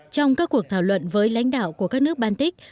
trong các cuộc thảo luận với lãnh đạo của các nước baltic